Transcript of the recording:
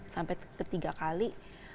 sampai ketiga kali